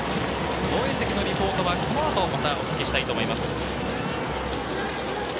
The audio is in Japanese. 応援席のリポートはこの後、またお聞きしたいと思います。